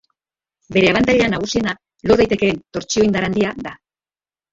Bere abantaila nagusiena lor daitekeen tortsio-indar handia da.